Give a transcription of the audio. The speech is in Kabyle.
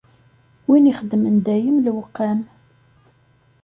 Win ixeddmen dayem lewqam.